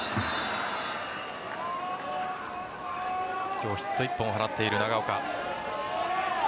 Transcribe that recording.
今日ヒット１本放っている長岡。